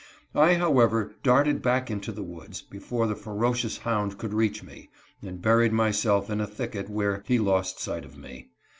I, however, darted back into the woods before the ferocious hound could reach me, and buried myself in a thicket, where he lost sight of me.